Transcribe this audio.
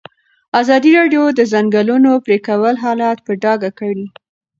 ازادي راډیو د د ځنګلونو پرېکول حالت په ډاګه کړی.